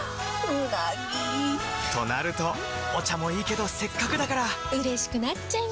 うなぎ！となるとお茶もいいけどせっかくだからうれしくなっちゃいますか！